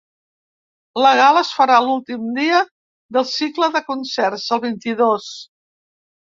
La gala es farà l’últim dia del cicle de concerts, el vint-i-dos.